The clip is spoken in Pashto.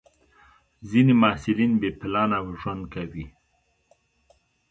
ځینې محصلین بې پلانه ژوند کوي.